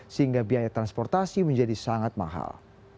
sehingga biaya transportasi menjadi sangat mahal